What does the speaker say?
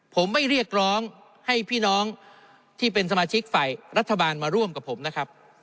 ผมไม่เรียกร้องให้พี่น้องที่เป็นสมาชิกฝ่ายรัฐบาลมาร่วมกับผมนะครับ